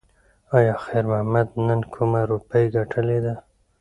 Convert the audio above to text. ایا خیر محمد نن کومه روپۍ ګټلې ده؟